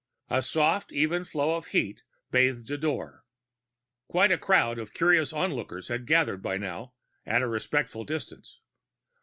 A soft even flow of heat bathed the door. Quite a crowd of curious onlookers had gathered by now, at a respectful distance.